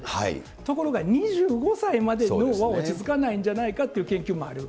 ところが２５歳まで脳は落ち着かないんじゃないかという研究もある。